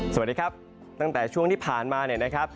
สวัสดีครับตั้งแต่ช่วงที่ผ่านมาเนี่ยนะครับ